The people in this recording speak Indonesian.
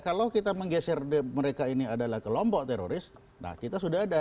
kalau kita menggeser mereka ini adalah kelompok teroris nah kita sudah ada